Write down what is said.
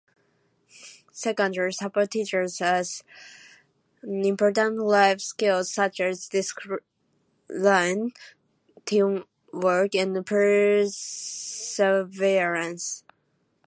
Secondly, sport teaches us important life skills such as discipline, teamwork, and perseverance.